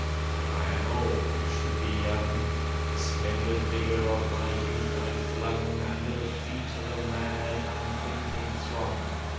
For I am old who should be young. The splendid vigour of my youth I flung Under the feet of a mad, unthinking throng.